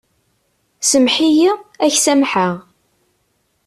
Sameḥ-iyi, ad k-samḥeɣ.